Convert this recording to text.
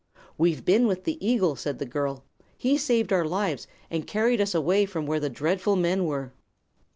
"We've been with the eagle," said the girl. "He saved our lives and carried us away from where the dreadful men were."